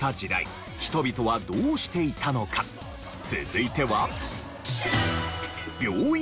続いては。